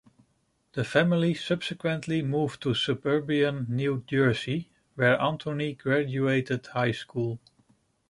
The family subsequently moved to suburban New Jersey, where Anthony graduated high school.